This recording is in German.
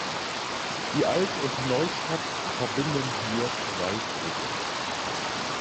Die Alt- und Neustadt verbinden nur zwei Brücken.